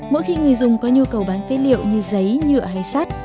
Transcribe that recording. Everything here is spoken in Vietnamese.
mỗi khi người dùng có nhu cầu bán phế liệu như giấy nhựa hay sắt